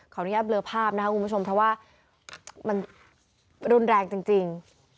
อนุญาตเบลอภาพนะครับคุณผู้ชมเพราะว่ามันรุนแรงจริง